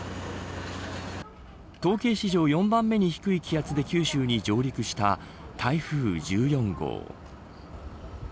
統計史上４番目に低い気圧で九州に上陸した台風１４号。